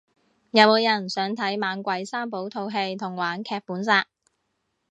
有冇人想睇猛鬼三寶套戲同玩劇本殺